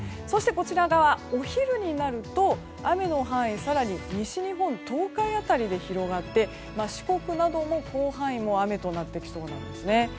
そして、お昼になると雨の範囲が更に西日本、東海辺りで広がって、四国なども広範囲で雨となってきそうです。